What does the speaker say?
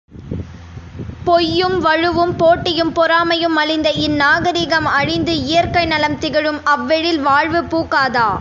பொய்யும் வழுவும், போட்டியும் பொறாமையும் மலிந்த இந்நாகரிகம் அழிந்து, இயற்கைநலம் திகழும் அவ்வெழில் வாழ்வு பூக்காதா?